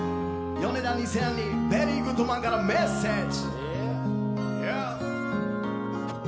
ヨネダ２０００にベリーグッドマンからメッセージ！